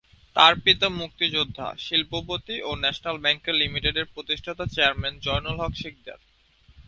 তার পিতা মুক্তিযোদ্ধা, শিল্পপতি ও ন্যাশনাল ব্যাংক লিমিটেডের প্রতিষ্ঠাতা চেয়ারম্যান জয়নুল হক সিকদার।